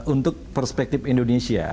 untuk perspektif indonesia